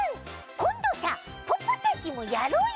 こんどさポッポたちもやろうよ！